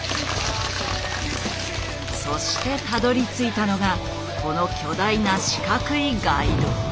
そしてたどりついたのがこの巨大な四角いガイド。